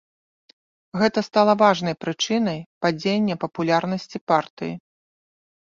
Гэта стала важнай прычынай падзення папулярнасці партыі.